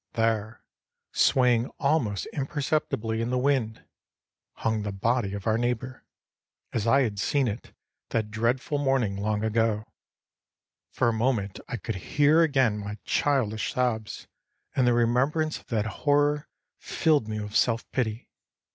There, swaying almost imperceptibly in the wind, hung the body of our neighbor, as I had seen it that dreadful morning long ago. For a moment I could hear again my childish sobs, and the remembrance of that horror filled me with self pity.